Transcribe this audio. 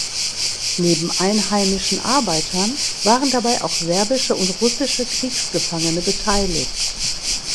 Neben einheimischen Arbeitern waren dabei auch serbische und russische Kriegsgefangene beteiligt.